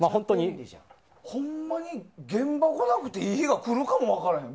ほんまに現場来なくていい日が来るかもしれない。